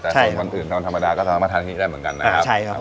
แต่ส่วนวันอื่นวันธรรมดาก็สามารถมาทานอย่างนี้ได้เหมือนกันนะครับ